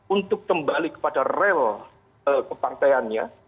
untuk kembali kepada rel keparteannya